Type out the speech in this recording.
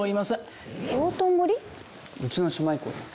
うちの姉妹校だよ。